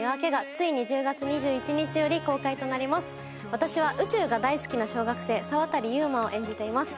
私は宇宙が大好きな小学生沢渡悠真を演じています